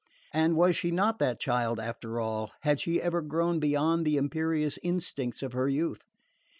And was she not that child, after all? Had she ever grown beyond the imperious instincts of her youth?